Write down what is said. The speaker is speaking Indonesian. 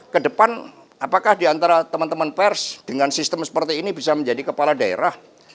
kedepan apakah diantara teman teman pers dengan sistem seperti ini bisa menjadi kepala daerah